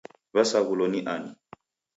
W'asaghulo ni ani?